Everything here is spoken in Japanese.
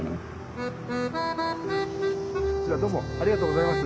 じゃあどうもありがとうございます。